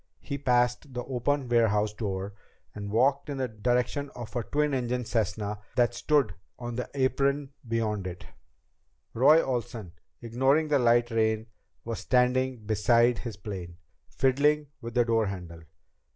He passed the open warehouse door and walked on in the direction of a twin engine Cessna that stood on the apron beyond it. Roy Olsen, ignoring the light rain, was standing beside his plane, fiddling with the door handle.